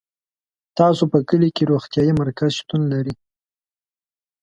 تاسو په کلي کي روغتيايي مرکز شتون لری